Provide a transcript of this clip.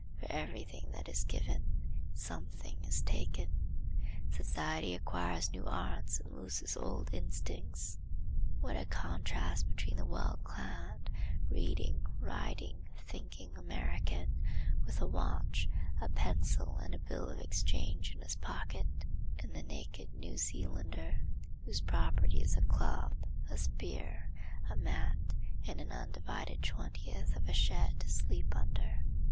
For every thing that is given something is taken. Society acquires new arts and loses old instincts. What a contrast between the well clad, reading, writing, thinking American, with a watch, a pencil and a bill of exchange in his pocket, and the naked New Zealander, whose property is a club, a spear, a mat and an undivided twentieth of a shed to sleep under!